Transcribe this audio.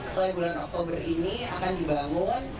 mulai bulan oktober ini akan dibangun